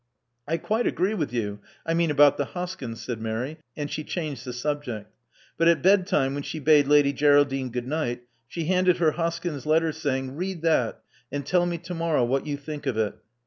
I quite agree with you — I mean about the Hoskyns," said Mary. And she changed the subject. But at bedtime, when she bade Lady Geraldine goodnight, she handed her Hoskyn's letter, saying, Read that; and tell me to morrow what you think of it."